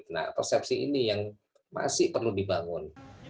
nah persepsi ini yang masih perlu dibangun